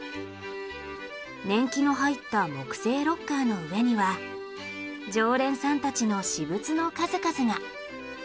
年季の入った木製ロッカーの上には常連さんたちの私物の数々が。